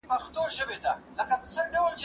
زه پرون کتابونه لوستل کوم!.